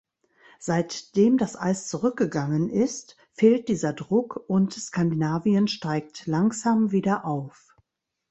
Seitdem das Eis zurückgegangen ist, fehlt dieser Druck, und Skandinavien steigt langsam wieder auf.